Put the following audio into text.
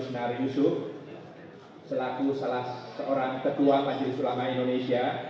selaku salah seorang ketua majlis ulama indonesia